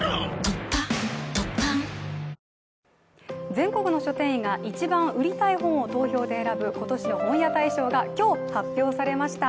全国の書店員がいちばん売りたい本を投票で選ぶ今年の本屋大賞が今日発表されました。